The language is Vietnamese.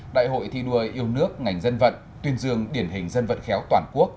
đại hội thi đua yêu nước ngành dân vận tuyên dương điển hình dân vận khéo toàn quốc